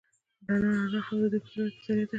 د رڼا رڼا هم د دوی په زړونو کې ځلېده.